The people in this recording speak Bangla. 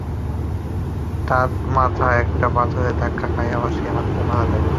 তাত মাথা একটা পাথরে ধাক্কা খায় আর সে মারা যায়।